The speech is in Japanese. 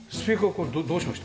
これどうしました？